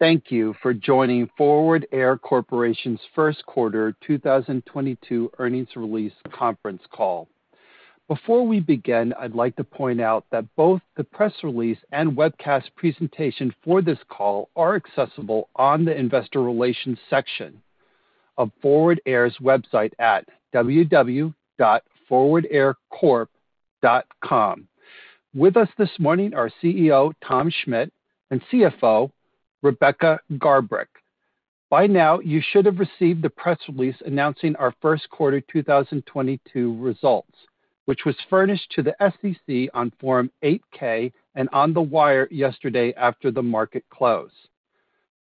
Thank you for joining Forward Air Corporation's first quarter 2022 earnings release conference call. Before we begin, I'd like to point out that both the press release and webcast presentation for this call are accessible on the investor relations section of Forward Air's website at www.forwardaircorp.com. With us this morning, our CEO, Thomas Schmitt, and CFO, Rebecca Garbrick. By now, you should have received the press release announcing our first quarter 2022 results, which was furnished to the SEC on Form 8-K and on the wire yesterday after the market close.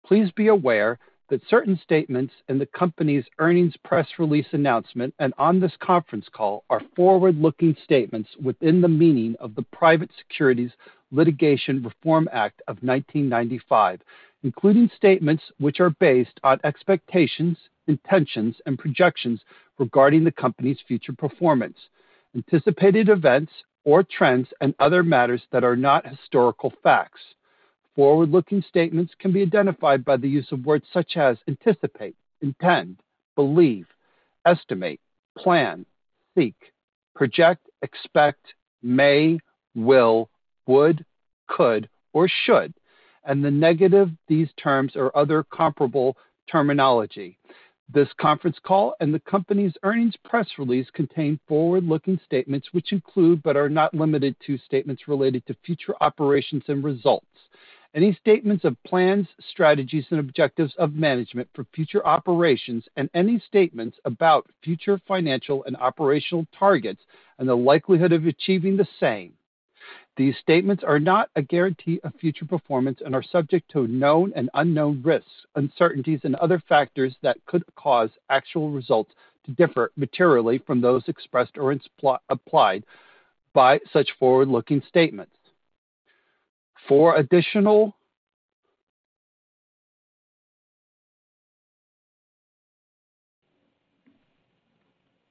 Please be aware that certain statements in the company's earnings press release announcement and on this conference call are forward-looking statements within the meaning of the Private Securities Litigation Reform Act of 1995, including statements which are based on expectations, intentions, and projections regarding the company's future performance, anticipated events or trends, and other matters that are not historical facts. Forward-looking statements can be identified by the use of words such as anticipate, intend, believe, estimate, plan, seek, project, expect, may, will, would, could, or should, and the negatives of these terms or other comparable terminology. This conference call and the company's earnings press release contain forward-looking statements, which include, but are not limited to statements related to future operations and results. Any statements of plans, strategies, and objectives of management for future operations and any statements about future financial and operational targets and the likelihood of achieving the same. These statements are not a guarantee of future performance and are subject to known and unknown risks, uncertainties, and other factors that could cause actual results to differ materially from those expressed or implied by such forward-looking statements.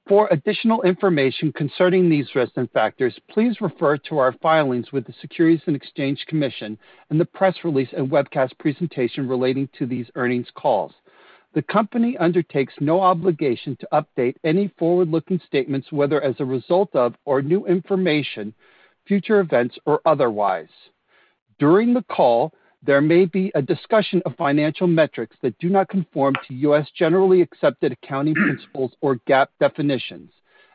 For additional information concerning these risks and factors, please refer to our filings with the Securities and Exchange Commission and the press release and webcast presentation relating to these earnings calls. The company undertakes no obligation to update any forward-looking statements, whether as a result of new information, future events, or otherwise. During the call, there may be a discussion of financial metrics that do not conform to U.S. generally accepted accounting principles or GAAP definitions,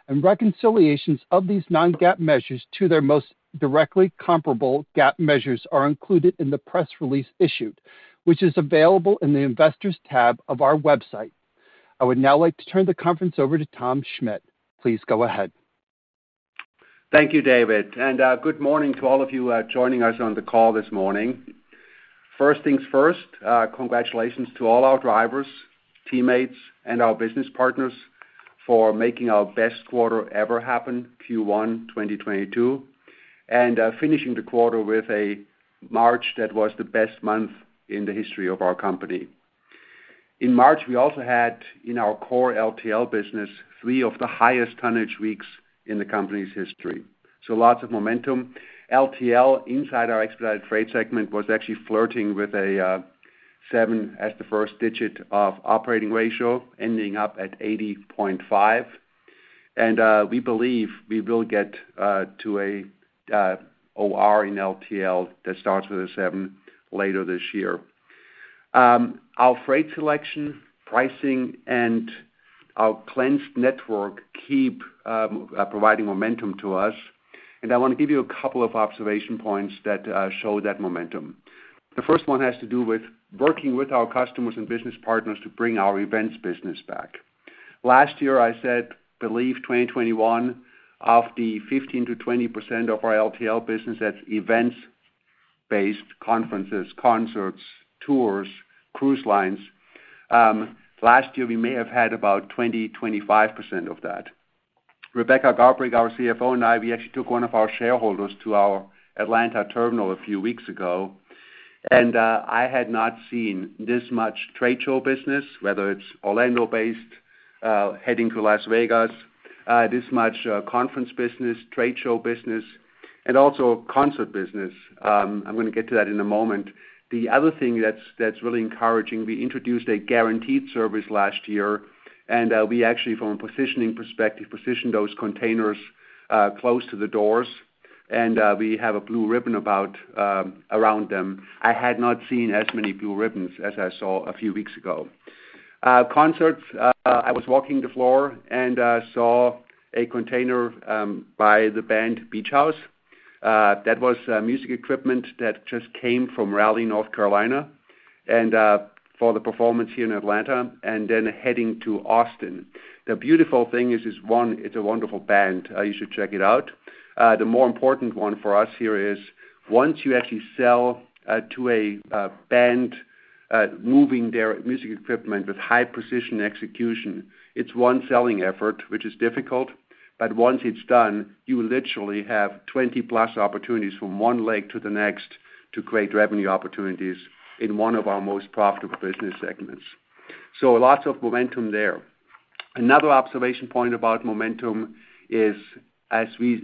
and reconciliations of these non-GAAP measures to their most directly comparable GAAP measures are included in the press release issued, which is available in the Investors tab of our website. I would now like to turn the conference over to Thomas Schmitt. Please go ahead. Thank you, David, and good morning to all of you joining us on the call this morning. First things first, congratulations to all our drivers, teammates, and our business partners for making our best quarter ever happen, Q1 2022, and finishing the quarter with a March that was the best month in the history of our company. In March, we also had in our core LTL business, three of the highest tonnage weeks in the company's history. Lots of momentum. LTL, inside our expedited freight segment, was actually flirting with a seven as the first digit of operating ratio, ending up at 80.5. We believe we will get to a OR in LTL that starts with a seven later this year. Our freight selection, pricing, and our cleansed network keep providing momentum to us. I want to give you a couple of observation points that show that momentum. The first one has to do with working with our customers and business partners to bring our events business back. Last year, I believe 2021, of the 15%-20% of our LTL business, that's events based, conferences, concerts, tours, cruise lines. Last year, we may have had about 20-25% of that. Rebecca Garbrick, our CFO, and I, we actually took one of our shareholders to our Atlanta terminal a few weeks ago, and I had not seen this much trade show business, whether it's Orlando-based, heading to Las Vegas, this much conference business, trade show business, and also concert business. I'm going to get to that in a moment. The other thing that's really encouraging, we introduced a guaranteed service last year, and we actually, from a positioning perspective, positioned those containers close to the doors, and we have a blue ribbon around them. I had not seen as many blue ribbons as I saw a few weeks ago. Concerts, I was walking the floor and saw a container by the band Beach House. That was music equipment that just came from Raleigh, North Carolina, and for the performance here in Atlanta and then heading to Austin. The beautiful thing is it's a wonderful band. You should check it out. The more important one for us here is once you actually sell to a band moving their music equipment with high precision execution, it's one selling effort, which is difficult. Once it's done, you literally have 20+ opportunities from one leg to the next to create revenue opportunities in one of our most profitable business segments. Lots of momentum there. Another observation point about momentum is, as we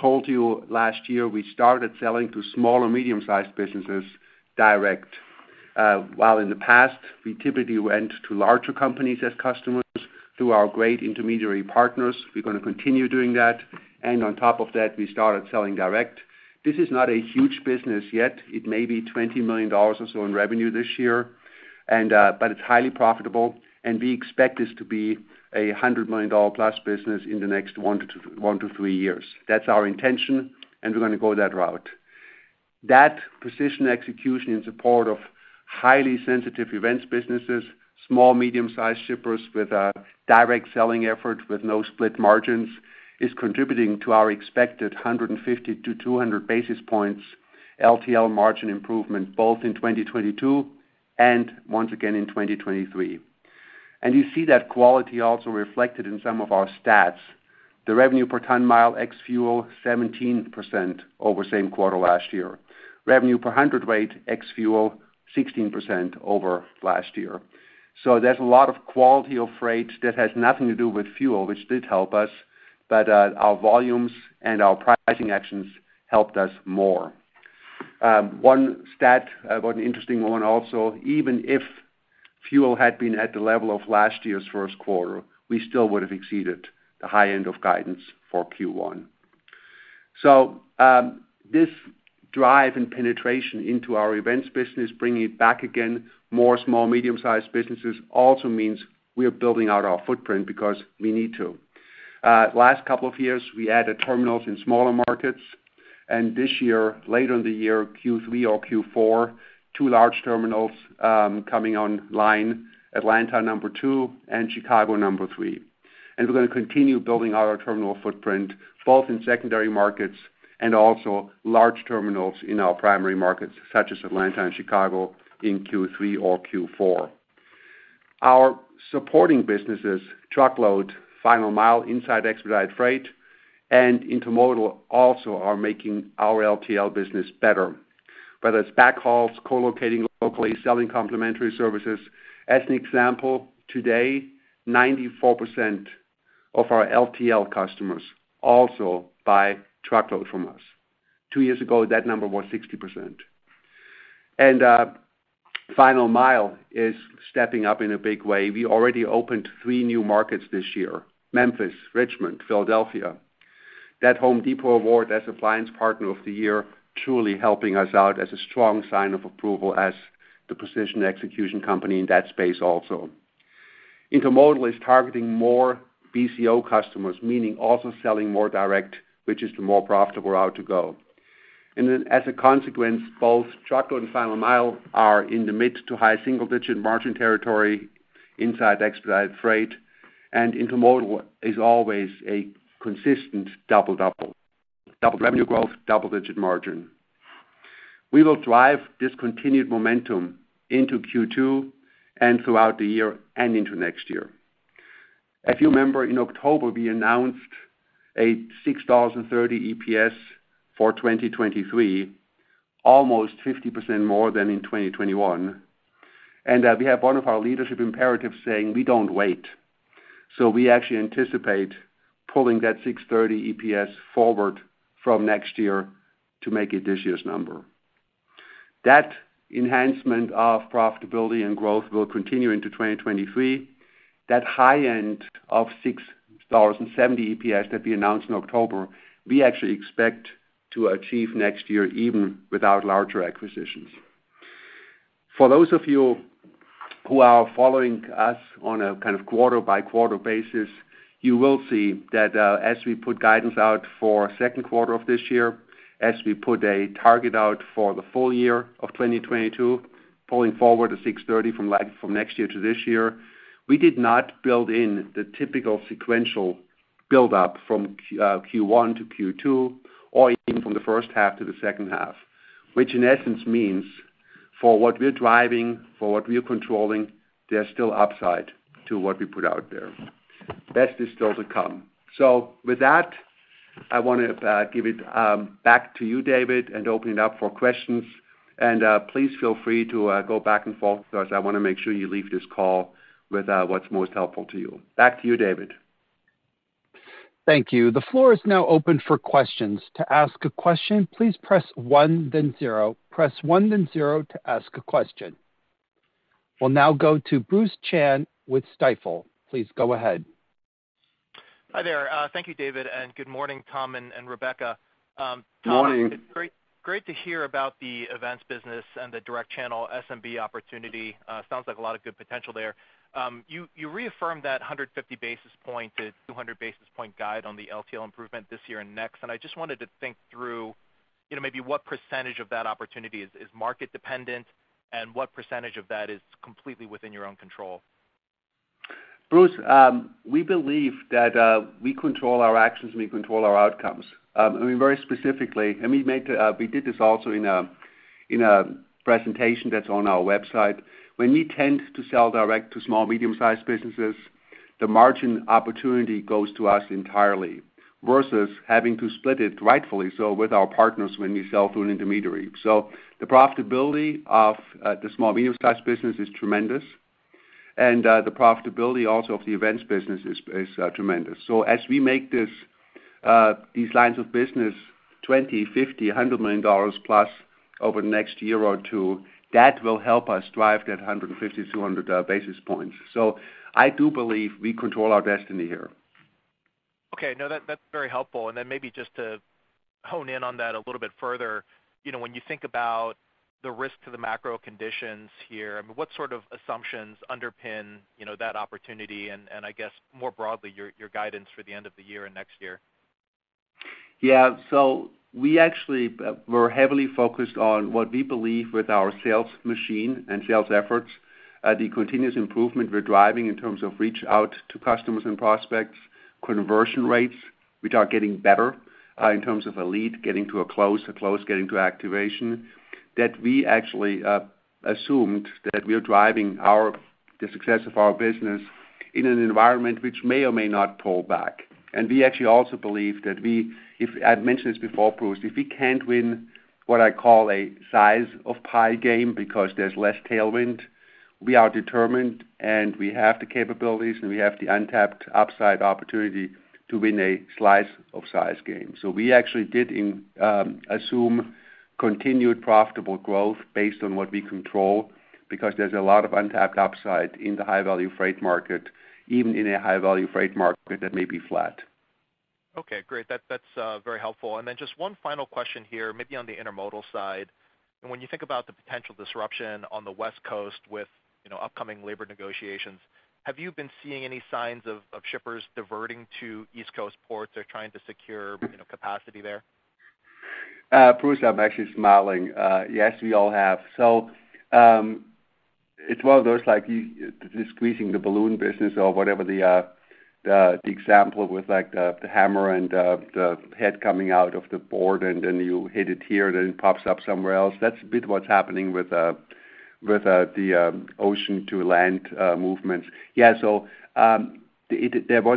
told you last year, we started selling to small or medium-sized businesses direct. While in the past, we typically went to larger companies as customers through our great intermediary partners, we're gonna continue doing that. On top of that, we started selling direct. This is not a huge business yet. It may be $20 million or so in revenue this year, and but it's highly profitable, and we expect this to be a $100 million+ business in the next 1-3 years. That's our intention, and we're gonna go that route. That precision execution in support of highly sensitive events businesses, small, medium-sized shippers with a direct selling effort with no split margins, is contributing to our expected 150-200 basis points LTL margin improvement both in 2022 and once again in 2023. You see that quality also reflected in some of our stats. The revenue per ton mile ex-fuel, 17% over same quarter last year. Revenue per hundredweight ex-fuel, 16% over last year. There's a lot of quality of freight that has nothing to do with fuel, which did help us, but our volumes and our pricing actions helped us more. One stat, one interesting one also, even if fuel had been at the level of last year's first quarter, we still would have exceeded the high end of guidance for Q1. This drive and penetration into our events business, bringing it back again, more small, medium-sized businesses, also means we are building out our footprint because we need to. Last couple of years, we added terminals in smaller markets, and this year, later in the year, Q3 or Q4, two large terminals coming online, Atlanta number two and Chicago number three. We're gonna continue building our terminal footprint, both in secondary markets and also large terminals in our primary markets, such as Atlanta and Chicago, in Q3 or Q4. Our supporting businesses, truckload, final mile, inside expedite freight, and intermodal also are making our LTL business better, whether it's backhauls, co-locating locally, selling complementary services. As an example, today, 94% of our LTL customers also buy truckload from us. Two years ago, that number was 60%. Final mile is stepping up in a big way. We already opened three new markets this year, Memphis, Richmond, Philadelphia. That Home Depot award as Appliance Partner of the Year truly helping us out as a strong sign of approval as the precision execution company in that space also. Intermodal is targeting more BCO customers, meaning also selling more direct, which is the more profitable route to go. As a consequence, both truckload and final mile are in the mid- to high single-digit % margin territory inside expedite freight. Intermodal is always a consistent double-digit revenue growth, double-digit % margin. We will drive this continued momentum into Q2 and throughout the year and into next year. If you remember, in October, we announced $6.30 EPS for 2023, almost 50% more than in 2021. We have one of our leadership imperatives saying we don't wait. We actually anticipate pulling that $6.30 EPS forward from next year to make it this year's number. That enhancement of profitability and growth will continue into 2023. That high end of $6.70 EPS that we announced in October, we actually expect to achieve next year even without larger acquisitions. For those of you who are following us on a kind of quarter-by-quarter basis, you will see that, as we put guidance out for second quarter of this year, as we put a target out for the full year of 2022, pulling forward the 6.30 from next year to this year, we did not build in the typical sequential buildup from Q1-Q2 or even from the first half to the second half, which in essence means for what we're driving, for what we're controlling, there's still upside to what we put out there. Best is still to come. With that, I want to give it back to you, David, and open it up for questions. Please feel free to go back and forth with us. I want to make sure you leave this call with, what's most helpful to you. Back to you, David. Thank you. The floor is now open for questions. To ask a question, please press one then zero. Press one then zero to ask a question. We'll now go to Bruce Chan with Stifel. Please go ahead. Hi there. Thank you, David, and good morning, Tom and Rebecca. Morning. Tom, it's great to hear about the events business and the direct channel SMB opportunity. Sounds like a lot of good potential there. You reaffirmed that 150-200 basis points guide on the LTL improvement this year and next. I just wanted to think through, you know, maybe what percentage of that opportunity is market dependent and what percentage of that is completely within your own control. Bruce, we believe that we control our actions and we control our outcomes. I mean, very specifically, we did this also in a presentation that's on our website. When we tend to sell direct to small, medium-sized businesses, the margin opportunity goes to us entirely versus having to split it rightfully so with our partners when we sell to an intermediary. The profitability of the small, medium-sized business is tremendous. The profitability also of the events business is tremendous. As we make these lines of business $20 million, $50 million, $100 million plus over the next year or two, that will help us drive that 150-200 basis points. I do believe we control our destiny here. Okay. No, that's very helpful. Then maybe just to hone in on that a little bit further, you know, when you think about the risk to the macro conditions here, I mean, what sort of assumptions underpin, you know, that opportunity, and I guess more broadly, your guidance for the end of the year and next year? Yeah. We actually we're heavily focused on what we believe with our sales machine and sales efforts, the continuous improvement we're driving in terms of reach out to customers and prospects, conversion rates, which are getting better, in terms of a lead getting to a close, a close getting to activation, that we actually assumed that we are driving the success of our business in an environment which may or may not pull back. We actually also believe that we, if I'd mentioned this before, Bruce, if we can't win what I call a share of pie game because there's less tailwind, we are determined, and we have the capabilities, and we have the untapped upside opportunity to win a slice of pie game. We actually did assume continued profitable growth based on what we control because there's a lot of untapped upside in the high-value freight market, even in a high-value freight market that may be flat. Okay, great. That's very helpful. Just one final question here, maybe on the intermodal side. When you think about the potential disruption on the West Coast with, you know, upcoming labor negotiations, have you been seeing any signs of shippers diverting to East Coast ports or trying to secure, you know, capacity there? Bruce, I'm actually smiling. Yes, we all have. It's one of those like just squeezing the balloon business or whatever the example with like the hammer and the head coming out of the board, and then you hit it here, then it pops up somewhere else. That's a bit what's happening with the ocean to land movements. There was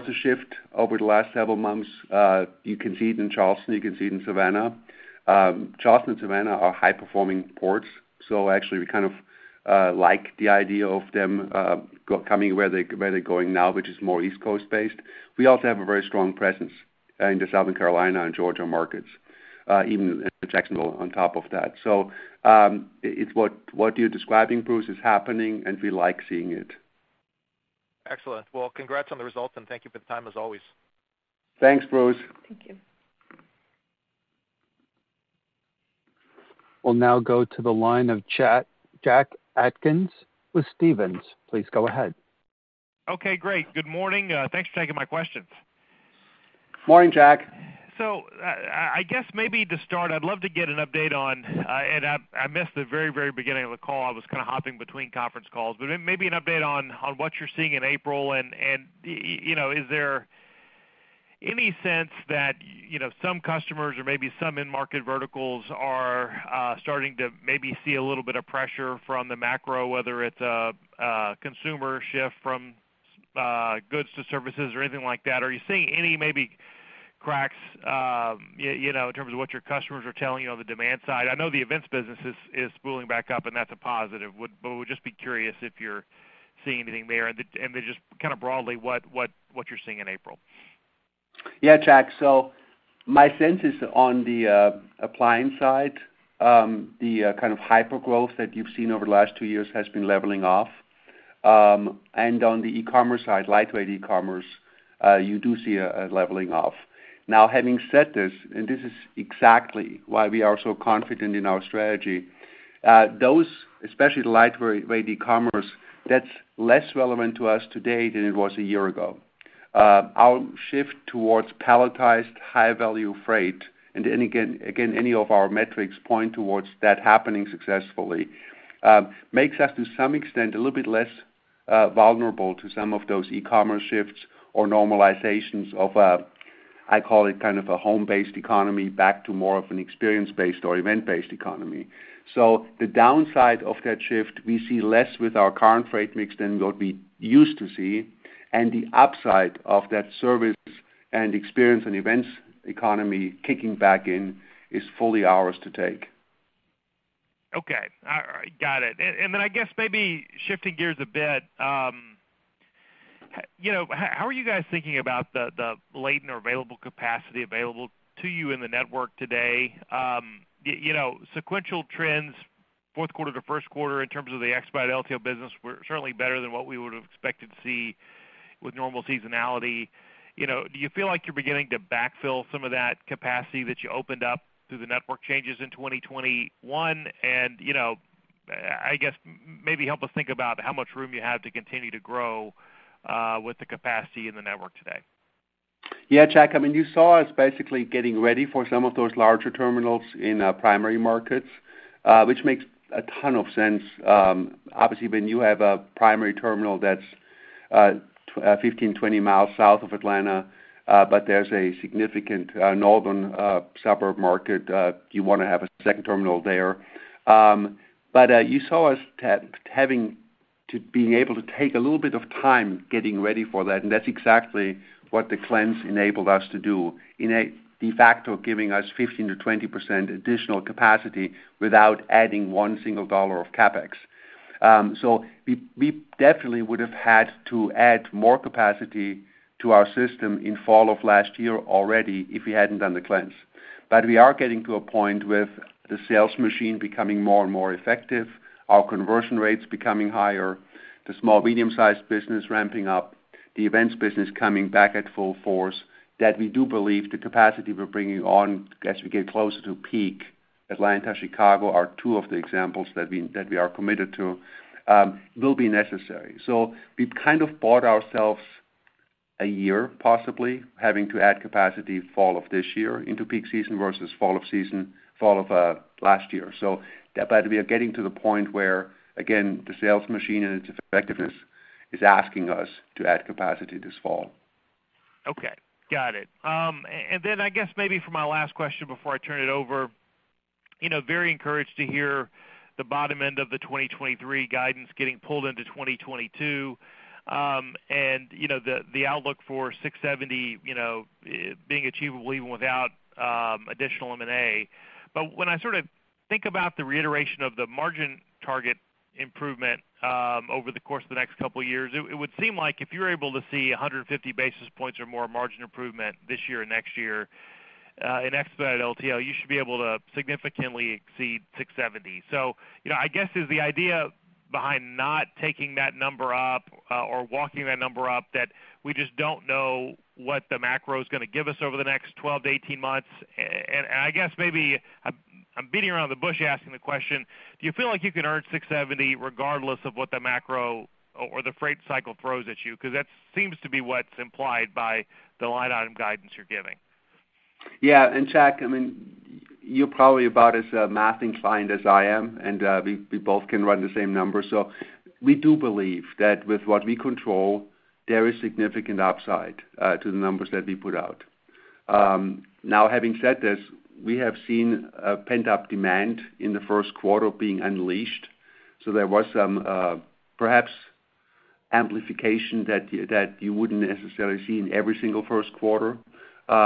a shift over the last several months. You can see it in Charleston, you can see it in Savannah. Charleston and Savannah are high-performing ports, actually we kind of like the idea of them coming where they're going now, which is more East Coast based. We also have a very strong presence in the South Carolina and Georgia markets, even in Jacksonville on top of that. It's what you're describing, Bruce, is happening, and we like seeing it. Excellent. Well, congrats on the results, and thank you for the time as always. Thanks, Bruce. Thank you. We'll now go to the line of Jack Atkins with Stephens. Please go ahead. Okay, great. Good morning. Thanks for taking my questions. Morning, Jack. I guess maybe to start, I'd love to get an update on, and I missed the very beginning of the call. I was kind of hopping between conference calls. Maybe an update on what you're seeing in April and you know, is there any sense that, you know, some customers or maybe some end market verticals are starting to maybe see a little bit of pressure from the macro, whether it's a consumer shift from goods to services or anything like that? Are you seeing any maybe cracks, you know, in terms of what your customers are telling you on the demand side? I know the events business is spooling back up, and that's a positive. Would just be curious if you're seeing anything there. Just kind of broadly, what you're seeing in April. Yeah, Jack. My sense is on the appliance side, the kind of hyper-growth that you've seen over the last two years has been leveling off. On the E-commerce side, lightweight E-commerce, you do see a leveling off. Now, having said this is exactly why we are so confident in our strategy. Those, especially the lightweight E-commerce, that's less relevant to us today than it was a year ago. Our shift towards palletized high-value freight, and again, any of our metrics point towards that happening successfully, makes us to some extent a little bit less vulnerable to some of those E-commerce shifts or normalizations of a, I call it kind of a home-based economy back to more of an experience-based or event-based economy. The downside of that shift, we see less with our current freight mix than what we used to see, and the upside of that service and experience and events economy kicking back in is fully ours to take. Okay. All right, got it. Then I guess maybe shifting gears a bit, you know, how are you guys thinking about the latent or available capacity available to you in the network today? You know, sequential trends, fourth quarter to first quarter in terms of the expedite LTL business were certainly better than what we would have expected to see with normal seasonality. You know, do you feel like you're beginning to backfill some of that capacity that you opened up through the network changes in 2021? You know, I guess maybe help us think about how much room you have to continue to grow, with the capacity in the network today. Yeah, Jack. I mean, you saw us basically getting ready for some of those larger terminals in primary markets, which makes a ton of sense. Obviously, when you have a primary terminal that's 15, 20 miles south of Atlanta, but there's a significant northern suburb market, you wanna have a second terminal there. You saw us being able to take a little bit of time getting ready for that, and that's exactly what the cleanse enabled us to do, de facto giving us 15%-20% additional capacity without adding one single dollar of CapEx. We definitely would have had to add more capacity to our system in fall of last year already if we hadn't done the cleanse. We are getting to a point with the sales machine becoming more and more effective, our conversion rates becoming higher, the small medium-sized business ramping up, the events business coming back at full force, that we do believe the capacity we're bringing on as we get closer to peak, Atlanta, Chicago are two of the examples that we are committed to will be necessary. We've kind of bought ourselves a year, possibly having to add capacity fall of this year into peak season versus fall of last year. We are getting to the point where, again, the sales machine and its effectiveness is asking us to add capacity this fall. Okay, got it. I guess maybe for my last question before I turn it over, you know, very encouraged to hear the bottom end of the 2023 guidance getting pulled into 2022. You know, the outlook for 670, you know, being achievable even without additional M&A. When I sort of think about the reiteration of the margin target improvement over the course of the next couple of years, it would seem like if you're able to see 150 basis points or more margin improvement this year or next year in expedited LTL, you should be able to significantly exceed 670. I guess this is the idea behind not taking that number up, or walking that number up that we just don't know what the macro is going to give us over the next 12-18 months. I guess maybe I'm beating around the bush asking the question, do you feel like you can earn $6.70 regardless of what the macro or the freight cycle throws at you? Because that seems to be what's implied by the line item guidance you're giving. Yeah. Jack, I mean, you're probably about as math inclined as I am, and we both can run the same number. We do believe that with what we control, there is significant upside to the numbers that we put out. Now, having said this, we have seen a pent-up demand in the first quarter being unleashed, so there was some, perhaps, amplification that you wouldn't necessarily see in every single first quarter. There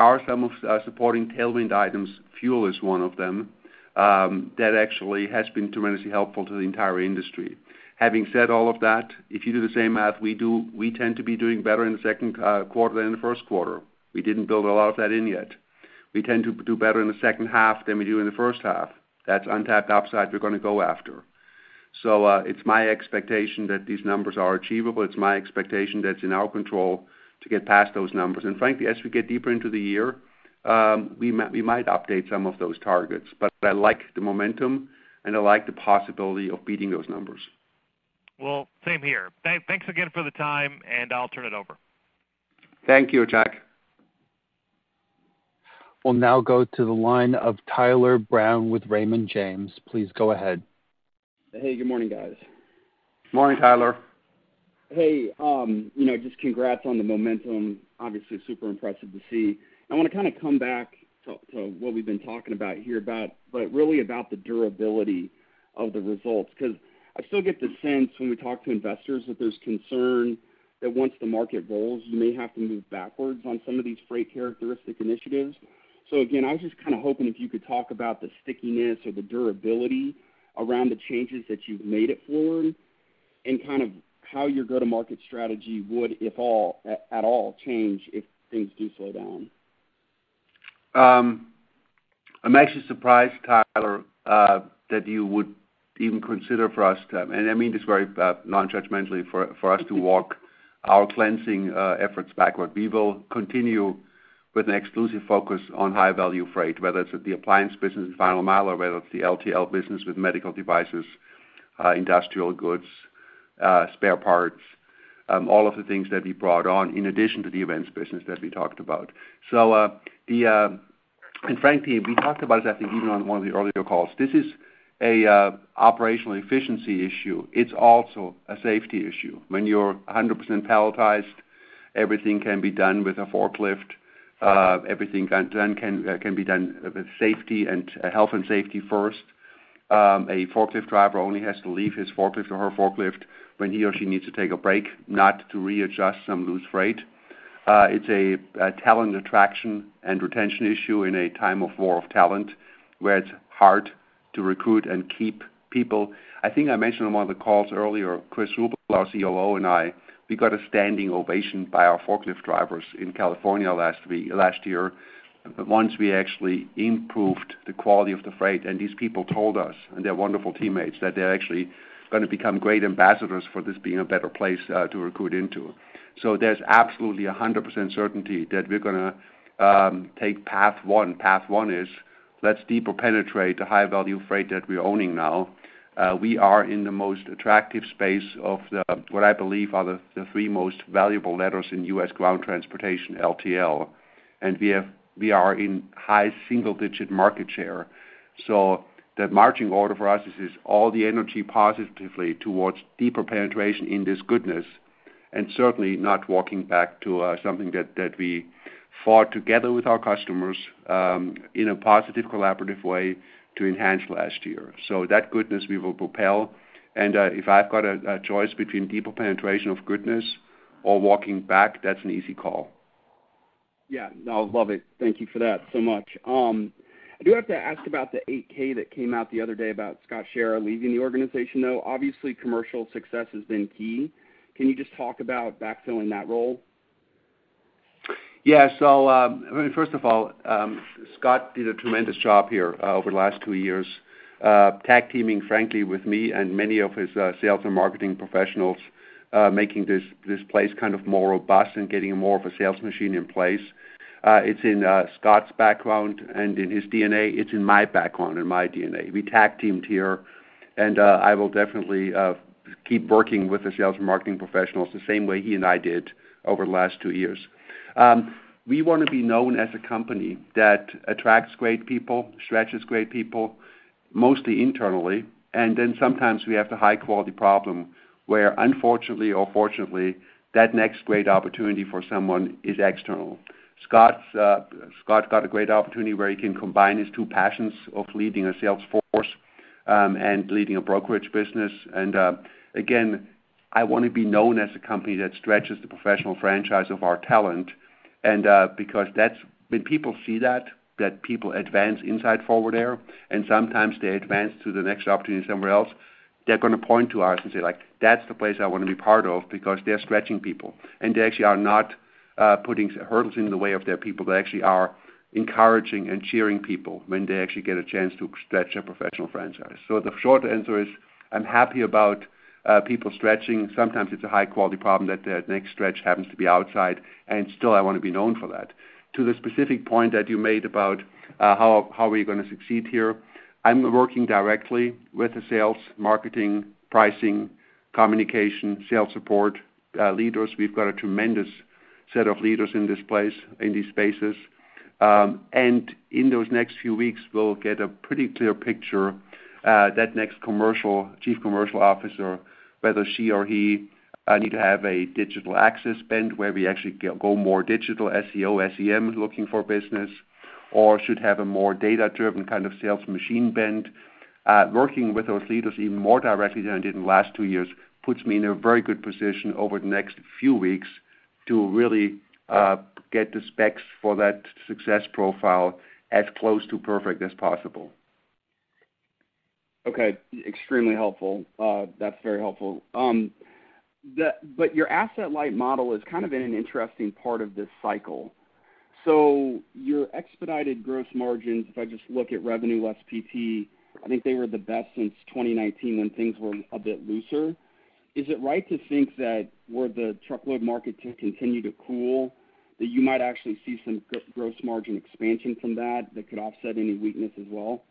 are some supporting tailwind items, fuel is one of them, that actually has been tremendously helpful to the entire industry. Having said all of that, if you do the same math we do, we tend to be doing better in the second quarter than the first quarter. We didn't build a lot of that in yet. We tend to do better in the second half than we do in the first half. That's untapped upside we're going to go after. It's my expectation that these numbers are achievable. It's my expectation that it's in our control to get past those numbers. Frankly, as we get deeper into the year, we might update some of those targets. I like the momentum, and I like the possibility of beating those numbers. Well, same here. Thanks again for the time, and I'll turn it over. Thank you, Jack. We'll now go to the line of Tyler Brown with Raymond James. Please go ahead. Hey, good morning, guys. Morning, Tyler. Hey, you know, just congrats on the momentum. Obviously super impressive to see. I want to kind of come back to what we've been talking about here, but really about the durability of the results, 'cause I still get the sense when we talk to investors that there's concern that once the market rolls, you may have to move backwards on some of these freight characteristic initiatives. Again, I was just kind of hoping if you could talk about the stickiness or the durability around the changes that you've made at Forward and kind of how your go-to-market strategy would, at all change, if things do slow down. I'm actually surprised, Tyler, that you would even consider for us to, and I mean this very non-judgmentally, for us to walk our cleansing efforts backward. We will continue with an exclusive focus on high-value freight, whether it's at the appliance business and final mile, or whether it's the LTL business with medical devices, industrial goods, spare parts, all of the things that we brought on in addition to the events business that we talked about. Frankly, we talked about it, I think even on one of the earlier calls. This is a operational efficiency issue. It's also a safety issue. When you're 100% palletized, everything can be done with a forklift. Everything can be done with safety and health and safety first. A forklift driver only has to leave his forklift or her forklift when he or she needs to take a break, not to readjust some loose freight. It's a talent attraction and retention issue in a time of war for talent, where it's hard to recruit and keep people. I think I mentioned on one of the calls earlier, Chris Ruble, our COO, and I, we got a standing ovation by our forklift drivers in California last year, once we actually improved the quality of the freight. These people told us, and they're wonderful teammates, that they're actually going to become great ambassadors for this being a better place to recruit into. There's absolutely 100% certainty that we're gonna take path one. Path one is, let's deeper penetrate the high-value freight that we're owning now. We are in the most attractive space of the, what I believe are the three most valuable letters in U.S. ground transportation, LTL. We are in high single-digit market share. The marching order for us is just all the energy positively towards deeper penetration in this goodness. Certainly not walking back to something that we fought together with our customers in a positive collaborative way to enhance last year. That goodness we will propel, and if I've got a choice between deeper penetration of goodness or walking back, that's an easy call. Yeah. No, love it. Thank you for that so much. I do have to ask about the 8-K that came out the other day about Scott Schara leaving the organization, though. Obviously, commercial success has been key. Can you just talk about backfilling that role? Yeah. I mean, first of all, Scott did a tremendous job here over the last two years, tag teaming, frankly, with me and many of his sales and marketing professionals, making this place kind of more robust and getting more of a sales machine in place. It's in Scott's background and in his DNA. It's in my background and my DNA. We tag-teamed here, and I will definitely keep working with the sales and marketing professionals the same way he and I did over the last two years. We want to be known as a company that attracts great people, stretches great people, mostly internally, and then sometimes we have the high quality problem where unfortunately or fortunately, that next great opportunity for someone is external. Scott got a great opportunity where he can combine his two passions of leading a sales force and leading a brokerage business. Again, I want to be known as a company that stretches the professional franchise of our talent because that's when people see that people advance inside Forward Air, and sometimes they advance to the next opportunity somewhere else, they're gonna point to us and say, like, "That's the place I want to be part of because they're stretching people, and they actually are not putting hurdles in the way of their people. They actually are encouraging and cheering people when they actually get a chance to stretch a professional franchise." The short answer is, I'm happy about people stretching. Sometimes it's a high quality problem that the next stretch happens to be outside, and still I want to be known for that. To the specific point that you made about how are we gonna succeed here, I'm working directly with the sales, marketing, pricing, communication, sales support leaders. We've got a tremendous set of leaders in this place, in these spaces. In those next few weeks, we'll get a pretty clear picture that next commercial chief commercial officer whether she or he need to have a digital access bend where we actually go more digital, SEO, SEM, looking for business, or should have a more data-driven kind of sales machine bend. Working with those leaders even more directly than I did in the last two years, puts me in a very good position over the next few weeks to really get the specs for that success profile as close to perfect as possible. Okay. Extremely helpful. That's very helpful. Your asset light model is kind of in an interesting part of this cycle. Your expedited gross margins, if I just look at revenue less PT, I think they were the best since 2019 when things were a bit looser. Is it right to think that were the truckload market to continue to cool, that you might actually see some gross margin expansion from that could offset any weakness as well?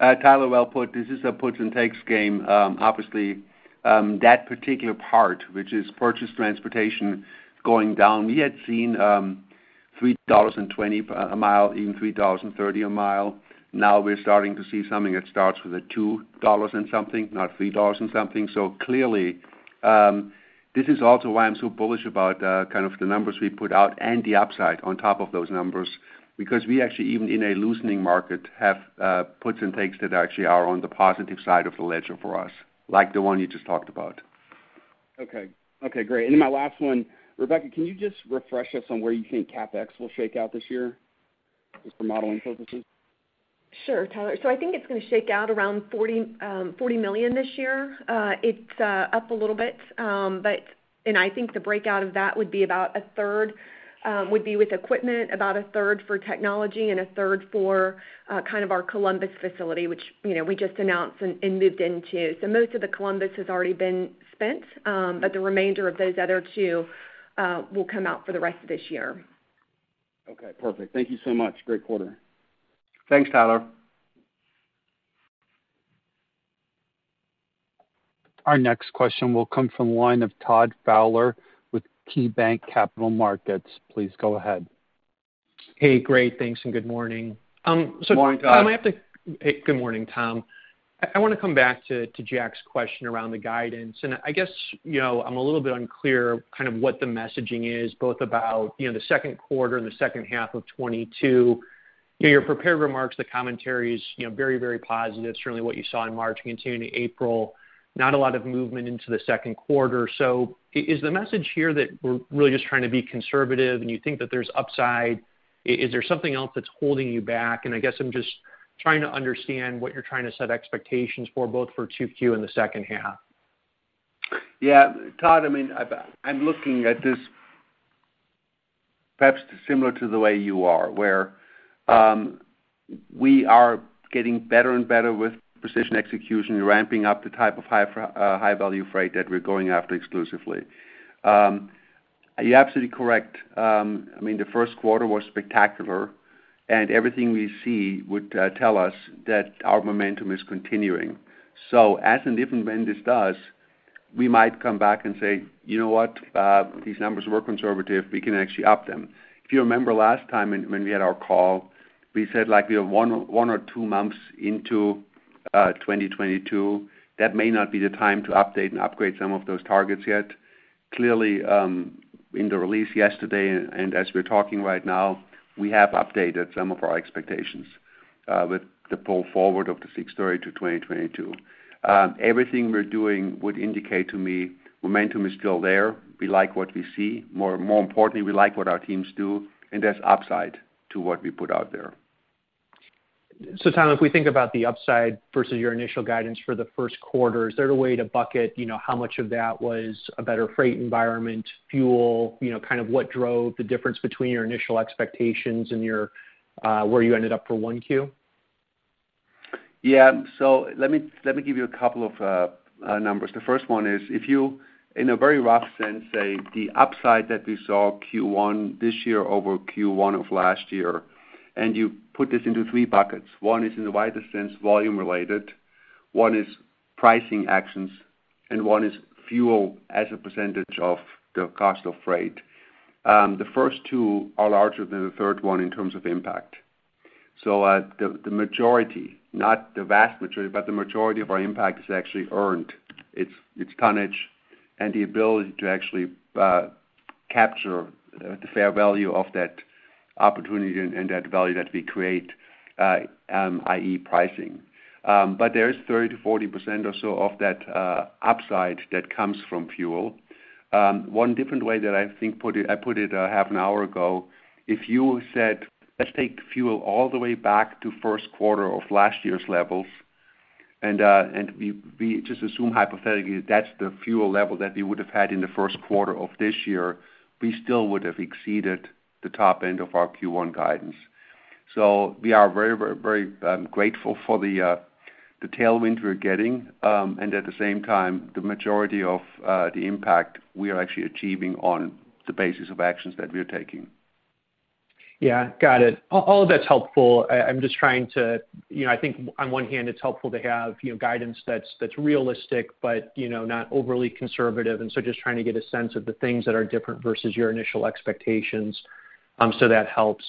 Tyler, well put. This is a puts and takes game. Obviously, that particular part, which is purchased transportation going down. We had seen $3.20 per mile, even $3.30 per mile. Now we're starting to see something that starts with a $2 and something, not $3 and something. Clearly, this is also why I'm so bullish about kind of the numbers we put out and the upside on top of those numbers, because we actually, even in a loosening market, have puts and takes that actually are on the positive side of the ledger for us, like the one you just talked about. Okay. Okay, great. My last one, Rebecca, can you just refresh us on where you think CapEx will shake out this year just for modeling purposes? Sure, Tyler. I think it's gonna shake out around $40 million this year. It's up a little bit, but I think the breakout of that would be about a third with equipment, about a third for technology, and a third for kind of our Columbus facility, which you know we just announced and moved into. Most of the Columbus has already been spent, but the remainder of those other two will come out for the rest of this year. Okay, perfect. Thank you so much. Great quarter. Thanks, Tyler. Our next question will come from the line of Todd Fowler with KeyBanc Capital Markets. Please go ahead. Hey, great. Thanks, and good morning. Good morning, Todd. Hey, good morning, Tom. I want to come back to Jack's question around the guidance. I guess, you know, I'm a little bit unclear kind of what the messaging is both about, you know, the second quarter and the second half of 2022. You know, your prepared remarks, the commentary is, you know, very, very positive. Certainly what you saw in March continuing to April, not a lot of movement into the second quarter. Is the message here that we're really just trying to be conservative and you think that there's upside? Is there something else that's holding you back? I guess I'm just trying to understand what you're trying to set expectations for both for Q2 and the second half. Yeah. Todd, I mean, I'm looking at this perhaps similar to the way you are, where we are getting better and better with precision execution, ramping up the type of high value freight that we're going after exclusively. You're absolutely correct. I mean, the first quarter was spectacular, and everything we see would tell us that our momentum is continuing. As and even when this does, we might come back and say, "You know what? These numbers were conservative. We can actually up them." If you remember last time when we had our call, we said, like, we have one or two months into 2022, that may not be the time to update and upgrade some of those targets yet. Clearly, in the release yesterday and as we're talking right now, we have updated some of our expectations with the pull forward of the $6.30 to 2022. Everything we're doing would indicate to me momentum is still there. We like what we see. More importantly, we like what our teams do, and there's upside to what we put out there. Tom, if we think about the upside versus your initial guidance for the first quarter, is there a way to bucket, you know, how much of that was a better freight environment, fuel, you know, kind of what drove the difference between your initial expectations and your, where you ended up for Q1? Yeah. Let me give you a couple of numbers. The first one is if you, in a very rough sense, say the upside that we saw Q1 this year over Q1 of last year, and you put this into 3 buckets. One is in the widest sense, volume related. One is pricing actions, and one is fuel as a percentage of the cost of freight. The first two are larger than the third one in terms of impact. The majority, not the vast majority, but the majority of our impact is actually earned. It's tonnage and the ability to actually capture the fair value of that opportunity and that value that we create, i.e. pricing. But there is 30%-40% or so of that upside that comes from fuel. One different way that I think put it, I put it half an hour ago, if you said, let's take fuel all the way back to first quarter of last year's levels, and we just assume hypothetically that that's the fuel level that we would have had in the first quarter of this year, we still would have exceeded the top end of our Q1 guidance. We are very grateful for the tailwind we're getting, and at the same time, the majority of the impact we are actually achieving on the basis of actions that we're taking. Yeah. Got it. All of that's helpful. I'm just trying to you know, I think on one hand it's helpful to have, you know, guidance that's realistic but, you know, not overly conservative. Just trying to get a sense of the things that are different versus your initial expectations, so that helps.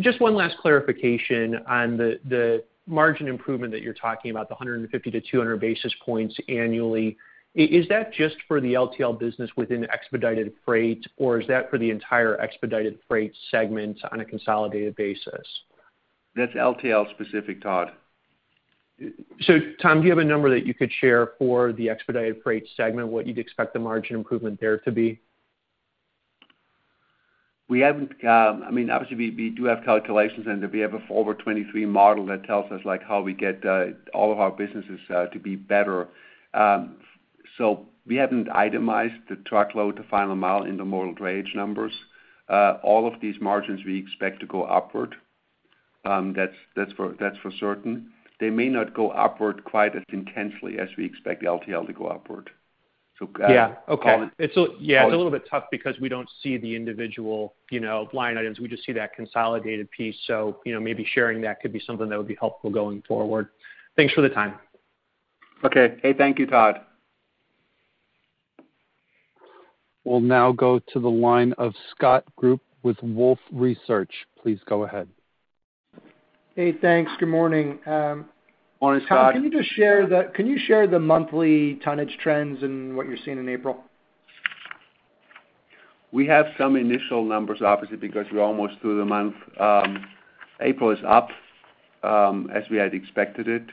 Just one last clarification on the margin improvement that you're talking about, the 150-200 basis points annually. Is that just for the LTL business within expedited freight, or is that for the entire expedited freight segment on a consolidated basis? That's LTL specific, Todd. Tom, do you have a number that you could share for the expedited freight segment, what you'd expect the margin improvement there to be? We haven't. I mean, obviously we do have calculations and we have a forward 23 model that tells us, like, how we get all of our businesses to be better. We haven't itemized the truckload to final mile in the model range numbers. All of these margins we expect to go upward. That's for certain. They may not go upward quite as intensely as we expect LTL to go upward. Yeah. Okay. Call it- It's a little bit tough because we don't see the individual, you know, line items. We just see that consolidated piece. You know, maybe sharing that could be something that would be helpful going forward. Thanks for the time. Okay. Hey, thank you, Todd. We'll now go to the line of Scott Group with Wolfe Research. Please go ahead. Hey, thanks. Good morning. Morning, Scott. Tom, can you share the monthly tonnage trends and what you're seeing in April? We have some initial numbers, obviously, because we're almost through the month. April is up, as we had expected it.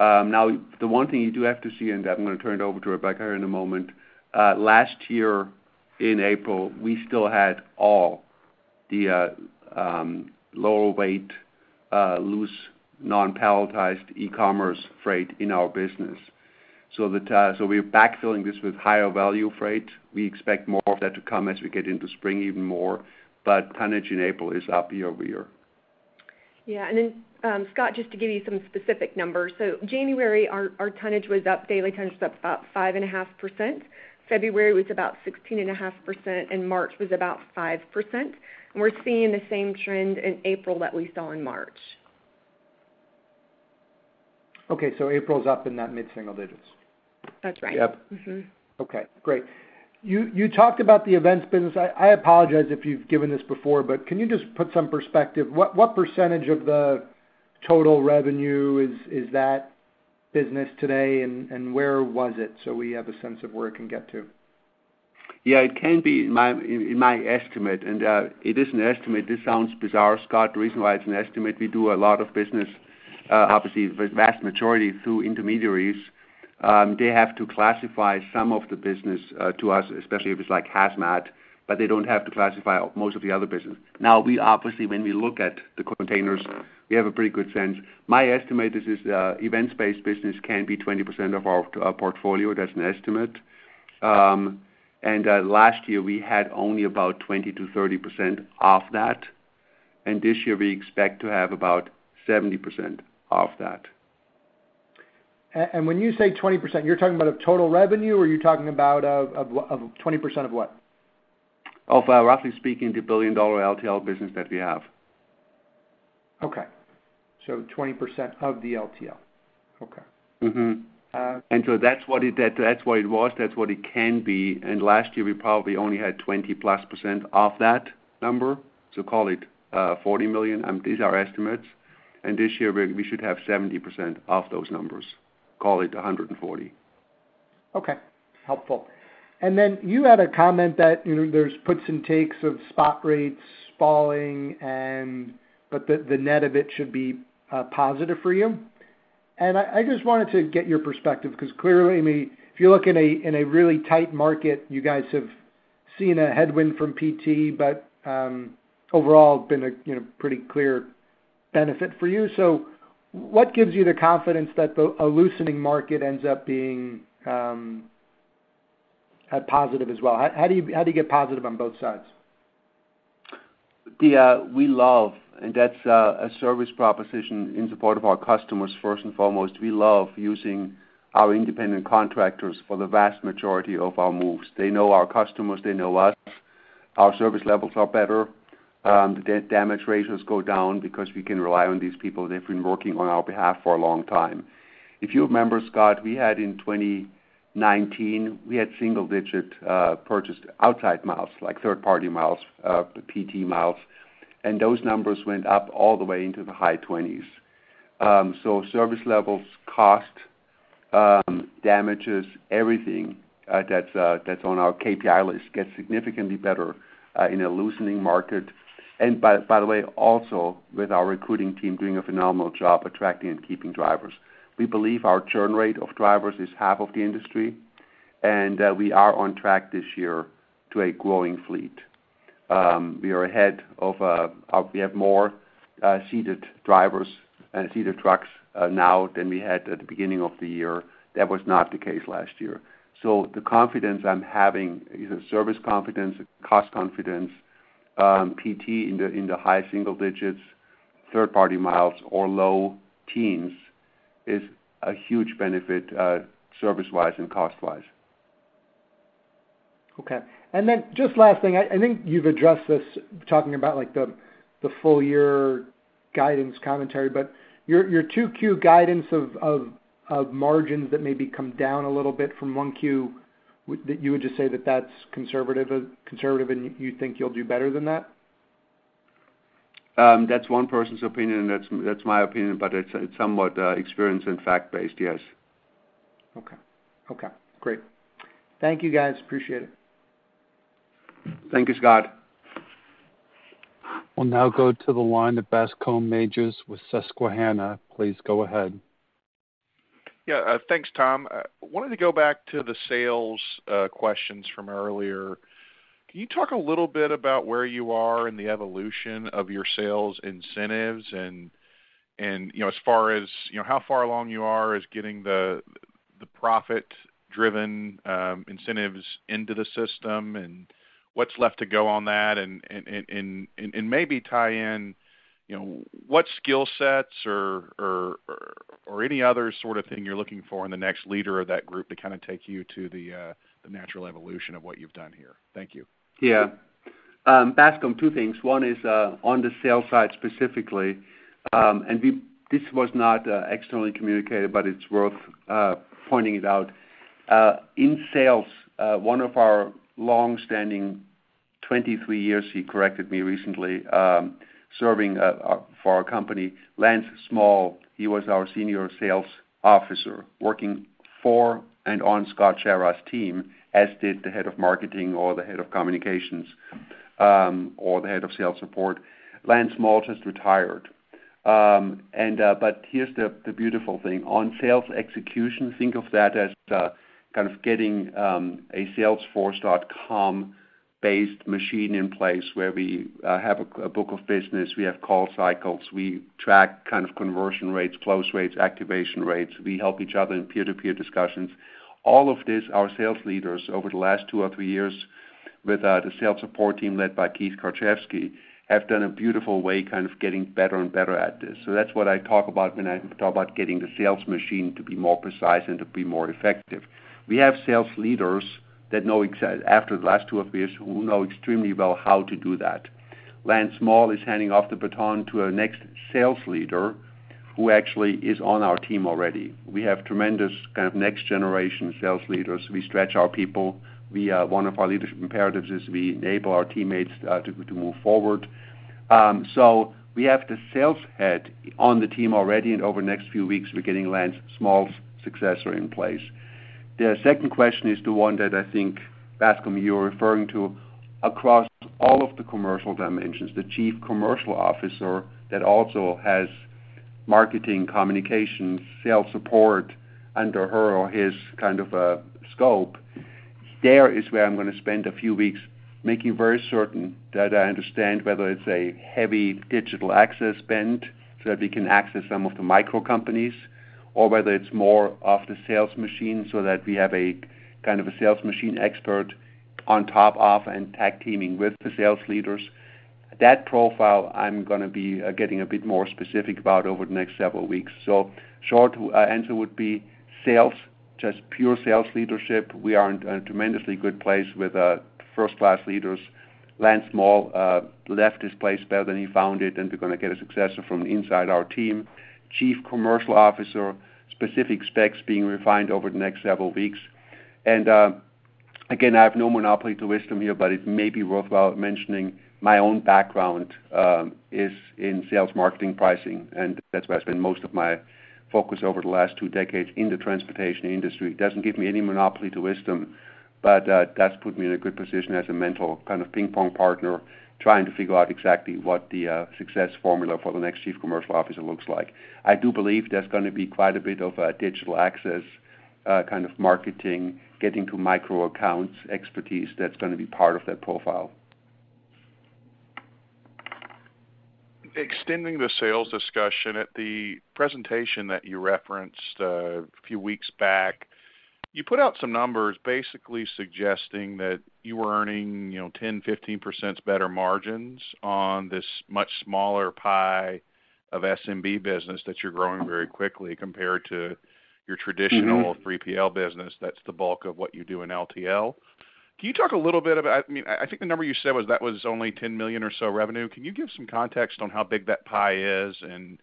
Now the one thing you do have to see, and I'm gonna turn it over to Rebecca here in a moment, last year in April, we still had all the lower weight, loose non-palletized E-commerce freight in our business. We're backfilling this with higher value freight. We expect more of that to come as we get into spring even more, but tonnage in April is up year-over-year. Yeah. Scott, just to give you some specific numbers. January, our tonnage was up, daily tonnage was up about 5.5%. February was about 16.5%, and March was about 5%. We're seeing the same trend in April that we saw in March. Okay. April's up in that mid-single digits. That's right. Yep. Mm-hmm. Okay. Great. You talked about the events business. I apologize if you've given this before, but can you just put some perspective, what percentage of the total revenue is that business today and where was it so we have a sense of where it can get to? Yeah, it can be in my estimate, and it is an estimate. This sounds bizarre, Scott. The reason why it's an estimate, we do a lot of business, obviously with vast majority through intermediaries. They have to classify some of the business to us, especially if it's like hazmat, but they don't have to classify most of the other business. Now we, obviously when we look at the containers, we have a pretty good sense. My estimate is events-based business can be 20% of our portfolio. That's an estimate. Last year we had only about 20%-30% of that. This year we expect to have about 70% of that. When you say 20%, you're talking about of total revenue or you're talking about of 20% of what? Of, roughly speaking, the billion-dollar LTL business that we have. Okay. 20% of the LTL. Okay. That's what it was, that's what it can be. Last year, we probably only had +20% of that number, so call it $40 million. These are estimates. This year, we should have 70% of those numbers, call it $140 million. Okay. Helpful. Then you had a comment that, you know, there's puts and takes of spot rates falling, but the net of it should be positive for you. I just wanted to get your perspective because clearly, I mean, if you look in a really tight market, you guys have seen a headwind from PT, but overall been a pretty clear benefit for you. What gives you the confidence that a loosening market ends up being a positive as well? How do you get positive on both sides? We love, and that's a service proposition in support of our customers first and foremost. We love using our independent contractors for the vast majority of our moves. They know our customers, they know us. Our service levels are better. The damage ratios go down because we can rely on these people. They've been working on our behalf for a long time. If you remember, Scott, we had in 2019, we had single digit purchased outside miles, like third-party miles, PT miles, and those numbers went up all the way into the high 20s. So service levels, cost, damages, everything that's on our KPI list gets significantly better in a loosening market. By the way, also with our recruiting team doing a phenomenal job attracting and keeping drivers. We believe our churn rate of drivers is half of the industry, and we are on track this year to a growing fleet. We have more seated drivers and seated trucks now than we had at the beginning of the year. That was not the case last year. The confidence I'm having is a service confidence, a cost confidence, PT in the high single digits, third party miles or low teens is a huge benefit, service-wise and cost-wise. Okay. Just last thing, I think you've addressed this talking about like the full-year guidance commentary, but your Q2 guidance of margins that maybe come down a little bit from Q1, that you would just say that that's conservative, and you think you'll do better than that? That's one person's opinion, and that's my opinion, but it's somewhat experienced and fact-based, yes. Okay. Okay, great. Thank you, guys. Appreciate it. Thank you, Scott. We'll now go to the line of Bascome Majors with Susquehanna. Please go ahead. Yeah. Thanks, Tom. I wanted to go back to the sales questions from earlier. Can you talk a little bit about where you are in the evolution of your sales incentives and, you know, as far as, you know, how far along you are as getting the profit-driven incentives into the system, and what's left to go on that? Maybe tie in, you know, what skill sets or any other sort of thing you're looking for in the next leader of that group to kind of take you to the natural evolution of what you've done here. Thank you. Bascome, two things. One is, on the sales side specifically, and we—this was not, externally communicated, but it's worth, pointing it out. In sales, one of our long-standing, 23 years, he corrected me recently, serving, for our company, Lance Small, he was our Senior Sales Officer working for and on Scott Schara's Team, as did the head of marketing or the Head of Communications, or the Head of Sales Support. Lance Small just retired. Here's the beautiful thing. On sales execution, think of that as, kind of getting, a Salesforce based machine in place where we, have a book of business. We have call cycles. We track kind of conversion rates, close rates, activation rates. We help each other in peer-to-peer discussions. All of this, our sales leaders over the last 2 or 3 years with the sales support team led by Keith Karczewski, have done a beautiful way kind of getting better and better at this. That's what I talk about when I talk about getting the sales machine to be more precise and to be more effective. We have sales leaders that know after the last 2 or 3 years, who know extremely well how to do that. Lance Small is handing off the baton to our next sales leader who actually is on our team already. We have tremendous kind of next generation sales leaders. We stretch our people. We one of our leadership imperatives is we enable our teammates to move forward. We have the sales head on the team already, and over the next few weeks, we're getting Lance Small's successor in place. The second question is the one that I think, Bascome, you're referring to across all of the commercial dimensions, the chief commercial officer that also has marketing, communication, sales support under her or his kind of, scope. There is where I'm gonna spend a few weeks making very certain that I understand whether it's a heavy digital access spend so that we can access some of the micro companies, or whether it's more of the sales machine so that we have a, kind of a sales machine expert on top of and tag teaming with the sales leaders. That profile I'm gonna be, getting a bit more specific about over the next several weeks. Short answer would be sales, just pure sales leadership. We are in a tremendously good place with first-class leaders. Lance Small left his place better than he found it, and we're gonna get a successor from inside our team. Chief commercial officer, specific specs being refined over the next several weeks. Again, I have no monopoly on wisdom here, but it may be worthwhile mentioning my own background is in sales, marketing, pricing, and that's where I spend most of my focus over the last two decades in the transportation industry. It doesn't give me any monopoly on wisdom, but that's put me in a good position as a mental kind of ping-pong partner trying to figure out exactly what the success formula for the next chief commercial officer looks like. I do believe there's gonna be quite a bit of digital access, kind of marketing, getting to micro accounts, expertise that's gonna be part of that profile. Extending the sales discussion. At the presentation that you referenced a few weeks back, you put out some numbers basically suggesting that you were earning, you know, 10%-15% better margins on this much smaller pie of SMB business that you're growing very quickly compared to your traditional- Mm-hmm. 3PL business. That's the bulk of what you do in LTL. Can you talk a little bit about, I mean, I think the number you said was that was only $10 million or so revenue. Can you give some context on how big that pie is and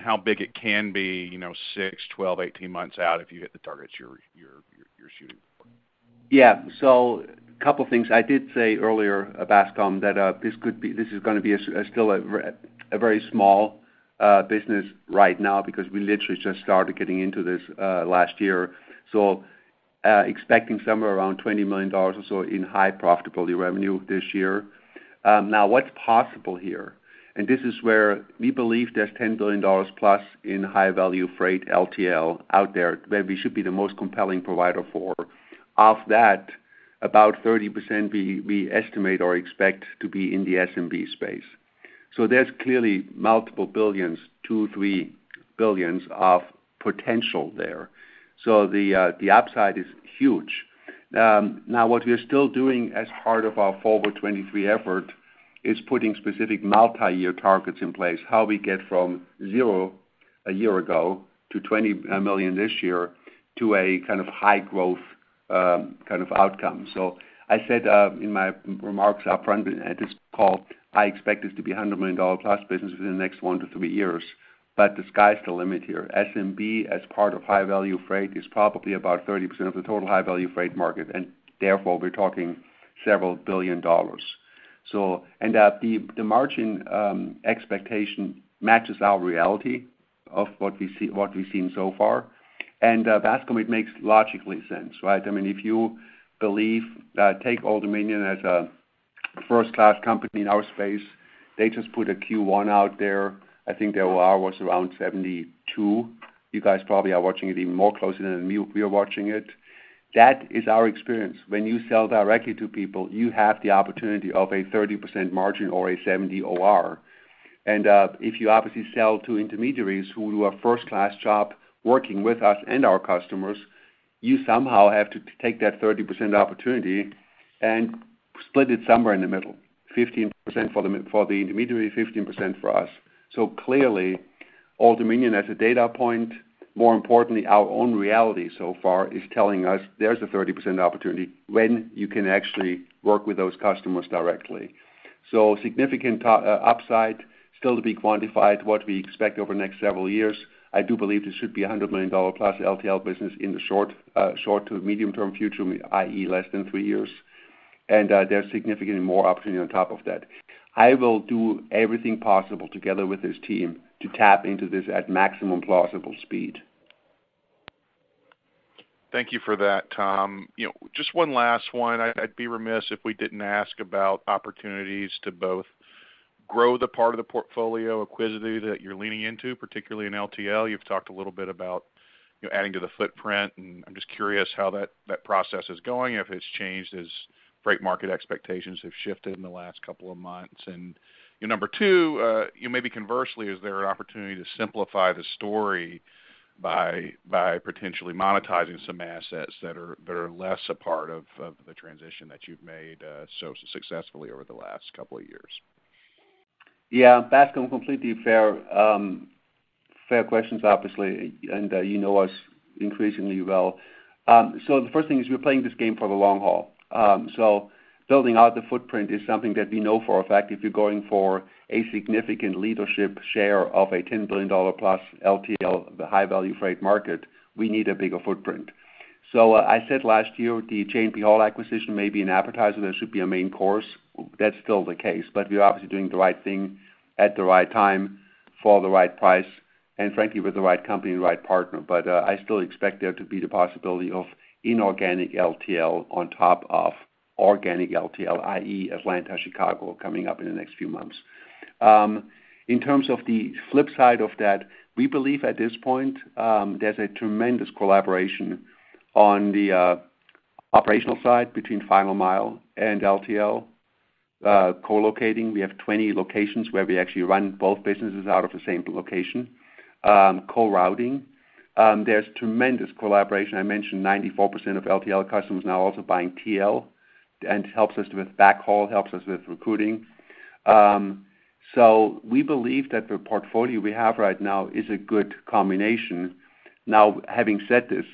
how big it can be, you know, 6, 12, 18 months out if you hit the targets you're shooting for? Yeah. A couple things. I did say earlier, Bascome, that this is gonna be still a very small business right now because we literally just started getting into this last year. Expecting somewhere around $20 million or so in high profitability revenue this year. Now what's possible here, and this is where we believe there's +$10 billion in high-value freight LTL out there where we should be the most compelling provider for. Of that, about 30% we estimate or expect to be in the SMB space. There's clearly multiple billions, 2-3 billion of potential there. The upside is huge. Now what we are still doing as part of our Forward '23 effort is putting specific multi-year targets in place. How we get from 0 a year ago to $20 million this year to a kind of high growth, kind of outcome. I said, in my remarks upfront at this call, I expect this to be a +$100 million business within the next 1-3 years, but the sky's the limit here. SMB as part of high-value freight is probably about 30% of the total high-value freight market, and therefore we're talking several billion dollars. The margin expectation matches our reality of what we've seen so far. Bascome, it makes logical sense, right? I mean, if you believe, take Old Dominion as a first-class company in our space. They just put a Q1 out there. I think their OR was around 72%. You guys probably are watching it even more closely than we are watching it. That is our experience. When you sell directly to people, you have the opportunity of a 30% margin or a 70 OR. If you obviously sell to intermediaries who do a first-class job working with us and our customers, you somehow have to take that 30% opportunity and split it somewhere in the middle, 15% for the intermediary, 15% for us. Clearly, Old Dominion as a data point, more importantly, our own reality so far is telling us there's a 30% opportunity when you can actually work with those customers directly. Significant upside still to be quantified what we expect over the next several years. I do believe this should be a +$100 million LTL business in the short to medium term future, i.e., less than three years. There's significantly more opportunity on top of that. I will do everything possible together with this team to tap into this at maximum plausible speed. Thank you for that, Tom. You know, just one last one. I'd be remiss if we didn't ask about opportunities to both grow the part of the portfolio acquisitively that you're leaning into, particularly in LTL. You've talked a little bit about, you know, adding to the footprint, and I'm just curious how that process is going, if it's changed as freight market expectations have shifted in the last couple of months. Number two, you know, maybe conversely, is there an opportunity to simplify the story by potentially monetizing some assets that are less a part of the transition that you've made so successfully over the last couple of years? Yeah. Bascome, completely fair questions obviously, and you know us increasingly well. The first thing is we're playing this game for the long haul. Building out the footprint is something that we know for a fact, if you're going for a significant leadership share of a +$10 billion LTL high-value freight market, we need a bigger footprint. I said last year, the J&P Hall acquisition may be an appetizer, there should be a main course. That's still the case, but we're obviously doing the right thing at the right time for the right price, and frankly, with the right company and the right partner. I still expect there to be the possibility of inorganic LTL on top of organic LTL, i.e., Atlanta, Chicago coming up in the next few months. In terms of the flip side of that, we believe at this point, there's a tremendous collaboration on the operational side between final mile and LTL. Co-locating, we have 20 locations where we actually run both businesses out of the same location. Co-routing. There's tremendous collaboration. I mentioned 94% of LTL customers now also buying TL, and it helps us with backhaul, helps us with recruiting. We believe that the portfolio we have right now is a good combination. Now, having said this,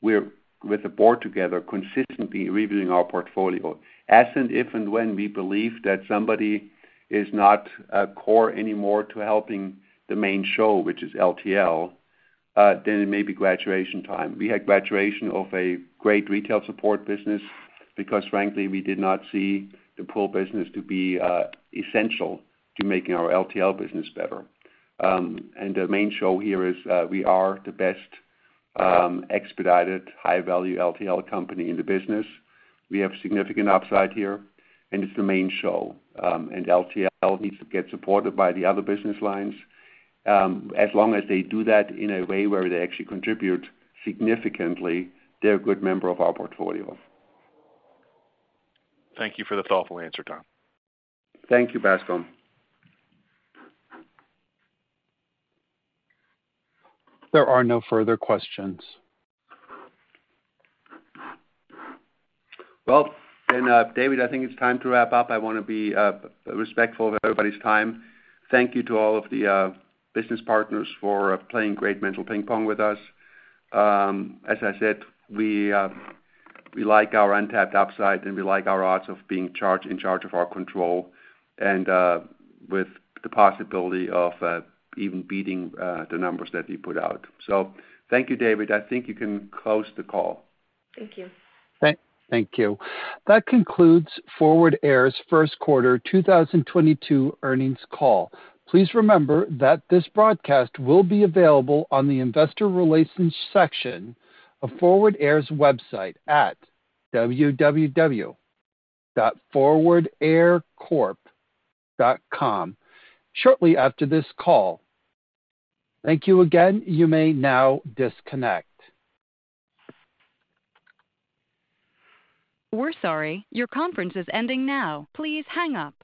we're with the board together consistently reviewing our portfolio. As and if and when we believe that somebody is not core anymore to helping the main show, which is LTL, then it may be graduation time. We had divestiture of a great retail support business because frankly, we did not see the pool business to be essential to making our LTL business better. The main show here is we are the best expedited high-value LTL company in the business. We have significant upside here, and it's the main show. LTL needs to get supported by the other business lines. As long as they do that in a way where they actually contribute significantly, they're a good member of our portfolio. Thank you for the thoughtful answer, Tom. Thank you, Bascome. There are no further questions. Well, David, I think it's time to wrap up. I wanna be respectful of everybody's time. Thank you to all of the business partners for playing great mental ping-pong with us. As I said, we like our untapped upside, and we like our odds of being in charge of our control and with the possibility of even beating the numbers that we put out. Thank you, David. I think you can close the call. Thank you. Thank you. That concludes Forward Air's first quarter 2022 earnings call. Please remember that this broadcast will be available on the investor relations section of Forward Air's website at www.forwardaircorp.com shortly after this call. Thank you again. You may now disconnect. We're sorry. Your conference is ending now. Please hang up.